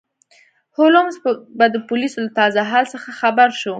هولمز به د پولیسو له تازه حال څخه خبر شو.